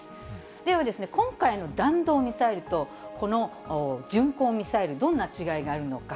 では、今回の弾道ミサイルと、この巡航ミサイル、どんな違いがあるのか。